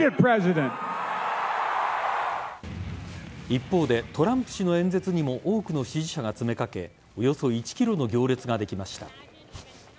一方で、トランプ氏の演説にも多くの支持者が詰めかけおよそ１ｋｍの行列ができました。